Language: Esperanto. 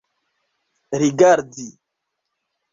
rigardi